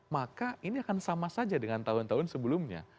maka ini akan sama saja dengan tahun tahun sebelumnya